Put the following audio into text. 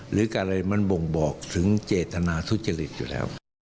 หรืออะไรมันบ่งบอกถึงเจตนาทุจริตอยู่แล้ว